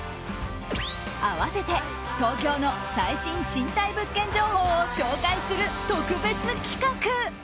合わせて東京の最新賃貸物件情報を紹介する特別企画。